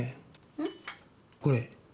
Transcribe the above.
うん？これ。